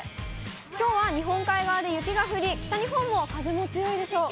きょうは日本海側で雪が降り、北日本も風も強いでしょう。